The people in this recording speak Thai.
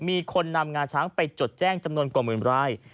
มีคนนำงาช้างไปจดแจ้งจำนวนกว่าหมื่นราย